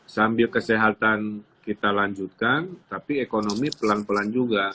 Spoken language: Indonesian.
sambil kesehatan kita lanjutkan tapi ekonomi pelan pelan juga